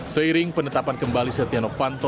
seiring penetapan kembali setia novanto